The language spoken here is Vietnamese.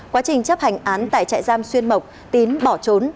quá trình chấp hành án tại trại giam xuyên mộc tín bỏ trốn